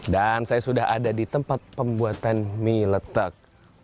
dan saya sudah ada di tempat pembuatan mie letek